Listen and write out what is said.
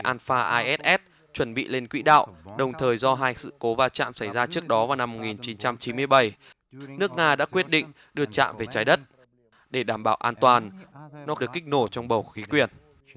anfa ass chuẩn bị lên quỹ đạo đồng thời do hai sự cố va chạm xảy ra trước đó vào năm một nghìn chín trăm chín mươi bảy nước nga đã quyết định đưa chạm về trái đất để đảm bảo an toàn nó được kích nổ trong bầu khí quyển